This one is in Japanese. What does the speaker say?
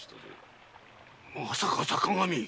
まさか坂上。